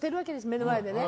目の前で。